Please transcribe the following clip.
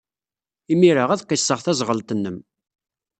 Imir-a, ad qisseɣ taẓɣelt-nnem.